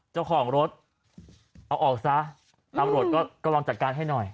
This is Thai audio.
เจ้าของรถเอาออกซะตำรวจก็กำลังจัดการให้หน่อย